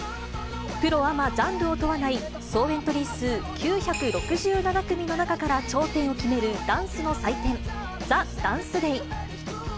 プロアマ、ジャンルを問わない総エントリー数９６７組の中から頂点を決めるダンスの祭典、ＴＨＥＤＡＮＣＥＤＡＹ。